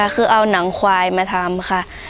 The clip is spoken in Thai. คือเอานังไขวมาทำ